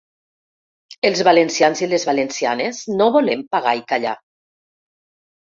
Els valencians i les valencianes no volem pagar i callar.